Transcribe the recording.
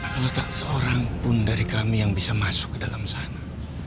kalau tak seorang pun dari kami yang bisa masuk ke dalam sana